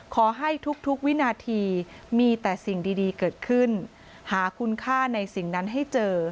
ขอให้ทุกวินาทีมีแต่สิ่งดีเกิดขึ้นหาคุณค่าในสิ่งนั้นให้เจอ